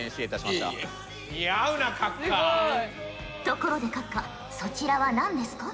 ところで閣下そちらは何ですか？